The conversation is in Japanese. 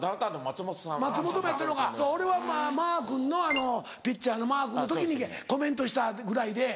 松本もやってんのか俺はマー君のピッチャーのマー君の時にコメントしたぐらいで。